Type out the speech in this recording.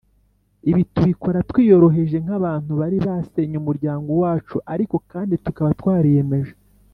Ibi tubikora twiyoroheje nk abantu bari basenye umuryango wacu ariko kandi tukaba twariyemeje